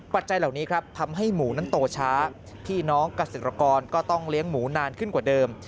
จัยเหล่านี้ครับทำให้หมูนั้นโตช้าพี่น้องเกษตรกรก็ต้องเลี้ยงหมูนานขึ้นกว่าเดิม